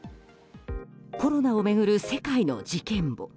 コロナを巡る世界の事件簿。